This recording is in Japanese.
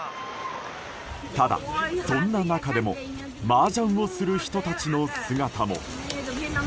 ただ、そんな中でもマージャンをする人たちの姿も。